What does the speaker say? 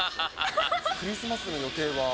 クリスマスの予定は。